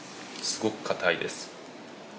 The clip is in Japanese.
すごくかたいです。